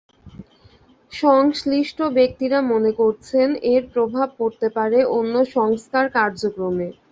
সংশ্লিষ্ট ব্যক্তিরা মনে করছেন, এর প্রভাব পড়তে পারে অন্য সংস্কার কার্যক্রমে।